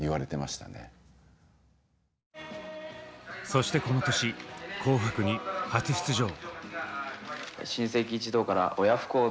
そしてこの年「紅白」に初出場。